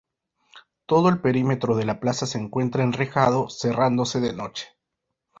Todo el perímetro de la plaza se encuentra enrejado, cerrándose de noche.